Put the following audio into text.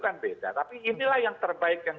kan beda tapi inilah yang terbaik yang